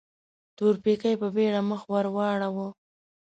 تورپيکۍ په بيړه مخ ور واړاوه.